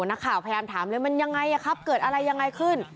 นักข่าวพยายามถามเลยมันยังไงครับเกิดอะไรยังไงขึ้น